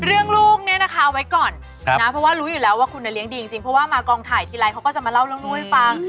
เรื่องลูกเนี่ยนะคะเอาไว้ก่อนนะเพราะว่ารู้อยู่แล้วว่าคุณเลี้ยงดีจริงเพราะว่ามากองถ่ายทีไรเขาก็จะมาเล่าเรื่องลูกให้ฟัง